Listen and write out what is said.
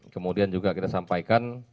kemudian juga kita sampaikan